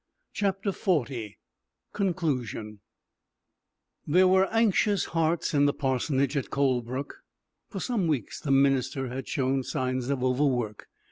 CHAPTER XL CONCLUSION There were anxious hearts in the parsonage at Colebrook. For some weeks the minister had shown signs of overwork.